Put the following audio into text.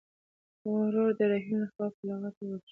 ور د رحیم لخوا په لغته ووهل شو.